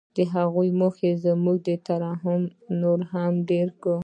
د هغوی مخونو زموږ ترحم نور هم ډېر کړ